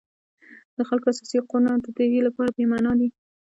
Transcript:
د خلکو اساسي حقونه د دوی لپاره بېمعنا دي.